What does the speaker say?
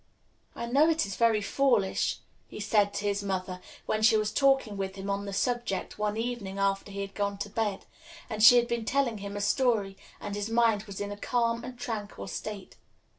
"I know it is very foolish," he said to his mother, when she was talking with him on the subject one evening after he had gone to bed, and she had been telling him a story, and his mind was in a calm and tranquil state.